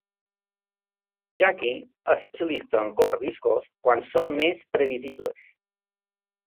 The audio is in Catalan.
Yakky és especialista en córrer riscos quan són més previsibles.